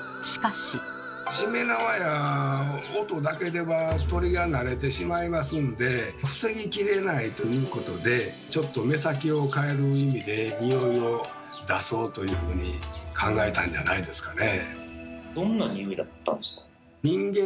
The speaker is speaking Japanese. しめ縄や音だけでは鳥が慣れてしまいますんで防ぎきれないということでちょっと目先を変える意味で「ニオイを出そう」というふうに考えたんじゃないですかね。